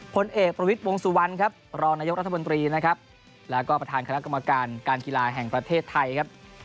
ผลเอกประวิทย์วงสุวรรณครับรองนายกรัฐมนตรีนะครับแล้วก็ประธานคณะกรรมการการกีฬาแห่งประเทศไทยครับ